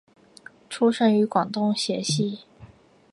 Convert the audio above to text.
出生于广东揭西。